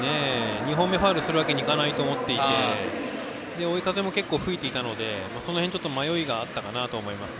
２本目はファウルするわけにはいかないと思っていて追い風も結構吹いていたのでそこら辺で迷いがあったかなと思います。